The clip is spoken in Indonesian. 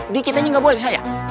dikit aja gak boleh saya